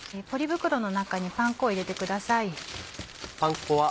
ポリ袋の中にパン粉を入れてください。